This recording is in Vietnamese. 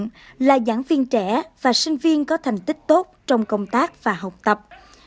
nhóm đối tượng là giảng viên trẻ và sinh viên có thành tích tốt trong công tác và học tập